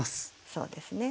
そうですね。